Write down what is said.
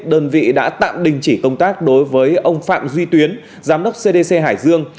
đơn vị đã tạm đình chỉ công tác đối với ông phạm duy tuyến giám đốc cdc hải dương